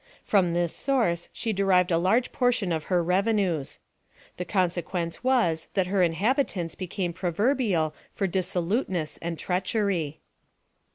From this source she derived a large por tion of her revenues. The consequence was that her inhabitants became proverbial for dissoluteness and treachery.